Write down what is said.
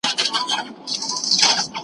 غل د پیشي درب څخه ھم بېرېږي .